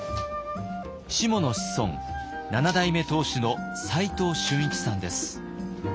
しもの子孫七代目当主の齊藤俊一さんです。